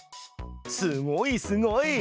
すごいすごい！